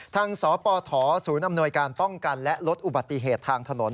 สปฐศูนย์อำนวยการป้องกันและลดอุบัติเหตุทางถนน